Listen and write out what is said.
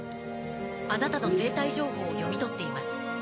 あなたの生体情報を読み取っています。